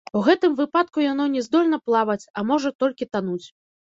У гэтым выпадку яно не здольна плаваць, а можа толькі тануць.